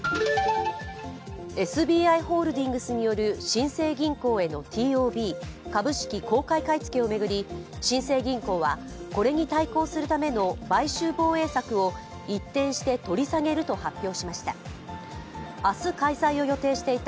ＳＢＩホールディングスによる新生銀行へのＴＯＢ＝株式公開買い付けを巡り新生銀行はこれに対抗するための買収防衛策を一転して取り下げると発表しました。